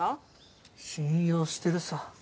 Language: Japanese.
信用してるさ。